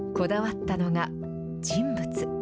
こだわったのが、人物。